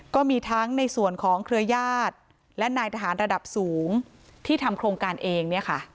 ก็มีทั้งในส่วนของเครือญาติและนายทหารระดับสูงที่ทำโครงการเอง